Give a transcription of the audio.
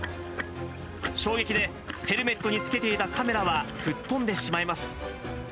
衝撃でヘルメットにつけていたカメラは、吹っ飛んでしまいます。